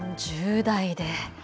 １０代で。